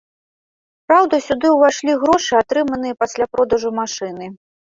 Праўда, сюды ўвайшлі грошы, атрыманыя пасля продажу машыны.